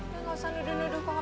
ya gak usah nuduh nuduh kokom